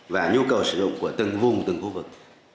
và nhu cầu sử dụng của từng vùng từng khu vực